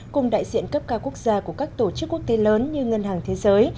cùng đại diện cấp cao quốc gia của các tổ chức quốc tế lớn như ngân hàng thế giới